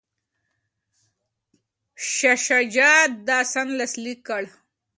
شاه شجاع دا سند لاسلیک کړ.